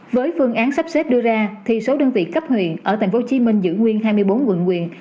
với phương án sắp xếp đưa ra thì số đơn vị cấp huyện ở tp hcm giữ nguyên hai mươi bốn quận huyện